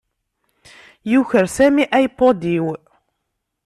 Yuker Sami iPod-iw.